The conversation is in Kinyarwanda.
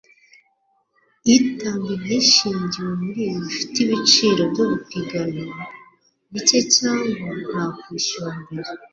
itanga ibyishingiwe muribi bifite ibiciro byo gupiganwa & bike cyangwa nta kwishyura mbere